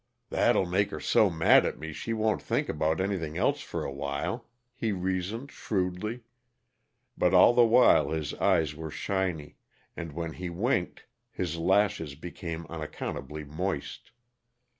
"That'll make her so mad at me she won't think about anything else for a while," he reasoned shrewdly. But all the while his eyes were shiny, and when he winked, his lashes became unaccountably moist.